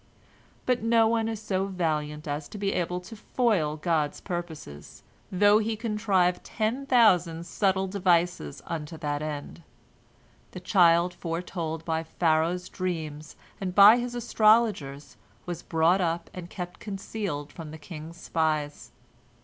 But no one is so valiant as to be able to foil God's purposes, though he contrive ten thousand subtle devices unto that end. The child foretold by Pharaoh's dreams and by his astrologers was brought up and kept concealed from the king's spies.